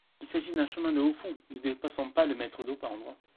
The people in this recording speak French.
Il s'agit d'un chemin de hauts-fonds, ne dépassant pas le mètre d'eau par endroits.